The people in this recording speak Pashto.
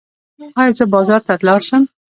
ایا زه بازار ته لاړ شم؟